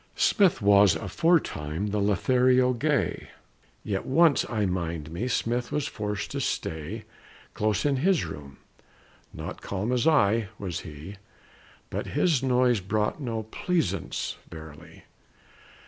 Smith was aforetime the Lothario gay. Yet once, I mind me, Smith was forced to stay Close in his room. Not calm, as I, was he; But his noise brought no pleasaunce, verily.